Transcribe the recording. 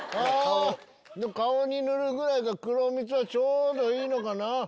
顔に塗るぐらいが黒蜜はちょうどいいのかな。